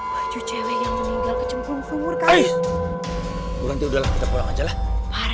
baju cewe yang meninggal ke cempur sumur